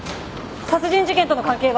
殺人事件との関係は？